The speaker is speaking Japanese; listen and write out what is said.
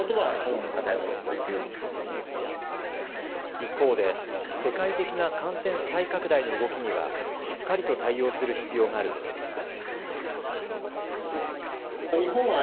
一方で、世界的な感染再拡大の動きにはしっかりと対応する必要があるとしています。